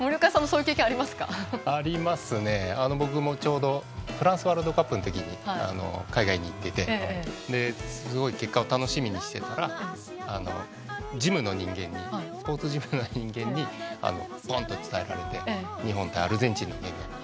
僕もちょうどフランスワールドカップの時に海外に行っててすごい結果を楽しみにしていたらジムの人間にスポーツジムの人間にぽんと伝えられて日本とアルゼンチンのゲーム。